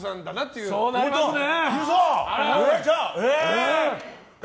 そうなりますね！